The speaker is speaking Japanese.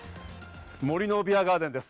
森のビアガーデンです。